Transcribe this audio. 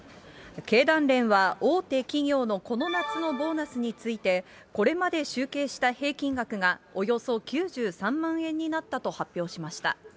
経団連は、大手企業のこの夏のボーナスについて、これまで集計した平均額がおよそ９３万円になったと発表しました。